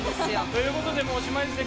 ということでもうおしまいですね。